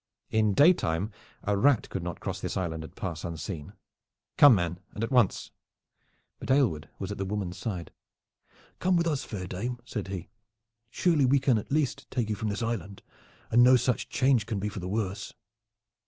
In daytime a rat could not cross this island and pass unseen. Come, man, and at once!" But Aylward was at the woman's side. "Come with us, fair dame," said he. "Surely we can, at least, take you from this island, and no such change can be for the worse."